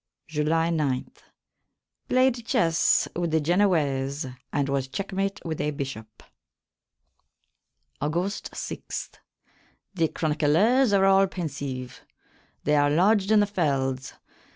July 9. Played chesse with the Genowayse and was checkmate with a bishop. August 6. The chronyclers are all pensyve. They are lodged in the feldes.